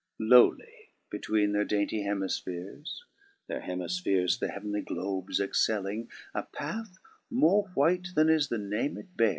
10. Lowly betweene their dainty hemifphaeres, (Their hemifphaeres the heav'nly globes excelling) A path more white than is the name it beares.